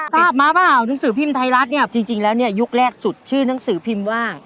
ทราบมาเปล่าหนังสือพิมพ์ไทยรัฐเนี่ยจริงแล้วเนี่ยยุคแรกสุดชื่อหนังสือพิมพ์ว่า